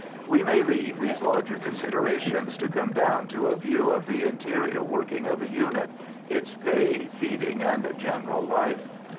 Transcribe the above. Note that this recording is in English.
We may leave these larger considerations to come down to a view of the interior working of a unit, its pay, feeding, and general life.